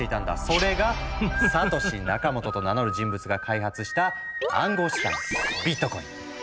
それがサトシ・ナカモトと名乗る人物が開発した暗号資産ビットコイン。